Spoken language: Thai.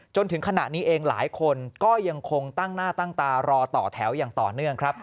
จนถึงขณะนี้เองหลายคนก็ยังคงตั้งหน้าตั้งตารอต่อแถวอย่างต่อเนื่องครับ